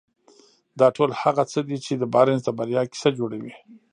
دا ټول هغه څه دي چې د بارنس د بريا کيسه جوړوي.